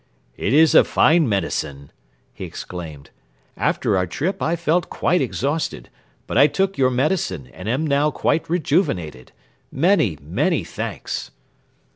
"It is a fine medicine!" he exclaimed. "After our trip I felt quite exhausted but I took your medicine and am now quite rejuvenated. Many, many thanks!"